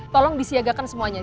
tolong disiagakan semuanya